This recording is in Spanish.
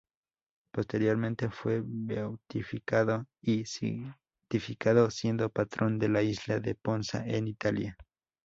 Posteriormente fue beatificado y santificado, siendo patrón de la isla de Ponza, en Italia.